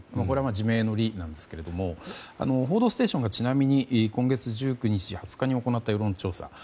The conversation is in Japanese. これは自明の理なんですが「報道ステーション」がちなみに今月１９日、２０日に行った世論調査